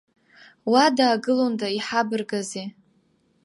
Уа даагылонда иҳабаргызи.